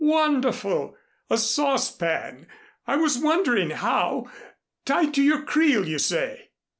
"Wonderful! A saucepan! I was wondering how tied to your creel, you say?"